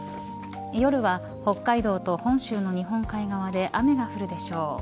夜は北海道と本州の日本海側で雨が降るでしょう。